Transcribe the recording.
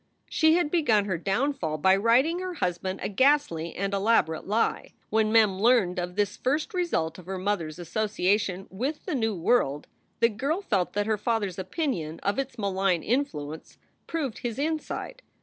She had begun her downfall by writing her husband a ghastly and elaborate lie. When Mem learned of this first result of her mother s association with the new world, the girl felt that her father s opinion of its malign influence proved his insight.